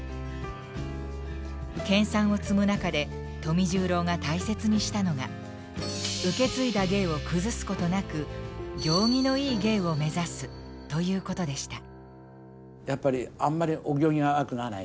研鑽を積む中で富十郎が大切にしたのが受け継いだ芸を崩すことなく「行儀のいい芸」を目指すということでした。